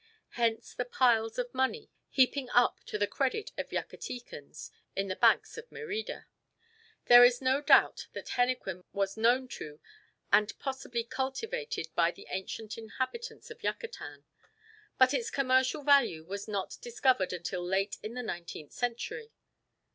Hence the piles of money heaping up to the credit of Yucatecans in the banks of Merida. There is no doubt that henequen was known to and possibly cultivated by the ancient inhabitants of Yucatan; but its commercial value was not discovered until late in the nineteenth century.